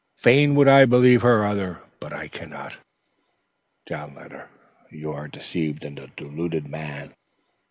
Fain would I believe her other but I cannot." "John Louder, you are a deceived and deluded man."